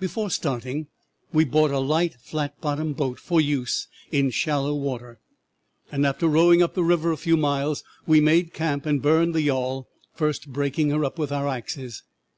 "'Before starting we bought a light flat bottomed boat for use in shallow water, and after rowing up the river a few miles we made camp and burned the yawl, first breaking her up with our axes.